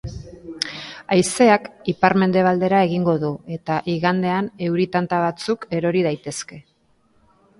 Haizeak ipar-mendebaldera egingo du eta igandean euri tanta batzuk erori daitezke.